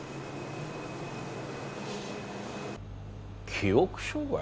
記憶障害？